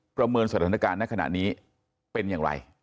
ประเมินสถานการณ์ในขณะนี้เป็นอย่างไร